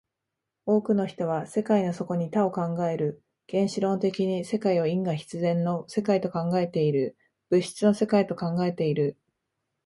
多くの人は世界の底に多を考える、原子論的に世界を因果必然の世界と考えている、物質の世界と考えている。